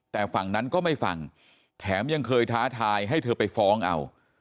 แต่ฝั่งนั้นก็ไม่ฟังแถมยังเคยท้าทายให้เธอไปฟ้องเอา